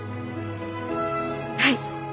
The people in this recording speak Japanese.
はい。